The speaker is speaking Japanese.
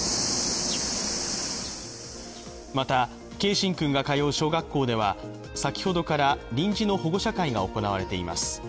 また、継真君が通う小学校では先ほどから臨時の保護者会が行われています。